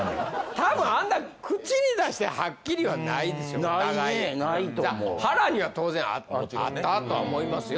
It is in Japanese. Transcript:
多分あんな口に出してはっきりはないですよお互いないねないと思う腹には当然あったとは思いますよ